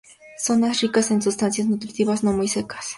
Zonas ricas en sustancias nutritivas no muy secas.